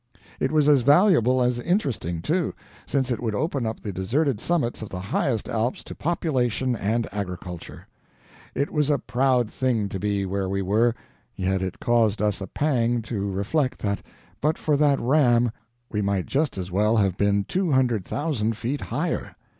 It was as valuable as interesting, too, since it would open up the deserted summits of the highest Alps to population and agriculture. It was a proud thing to be where we were, yet it caused us a pang to reflect that but for that ram we might just as well have been two hundred thousand feet higher.